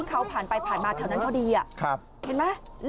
ที่เขาผ่านไปผ่านมาที่นั้นเพราะดี